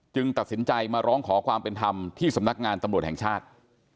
ตัดสินใจมาร้องขอความเป็นธรรมที่สำนักงานตำรวจแห่งชาติ